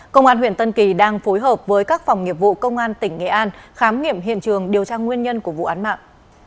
công an huyện tân kỳ đang phối hợp với các phòng nghiệp vụ công an tỉnh nghệ an khám nghiệm hiện trường điều tra nguyên nhân của vụ án mạng